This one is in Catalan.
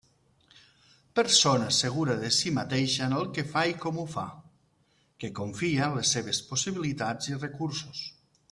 Persona segura de si mateixa en el que fa i com ho fa, que confia en les seues possibilitats i recursos.